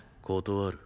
断る。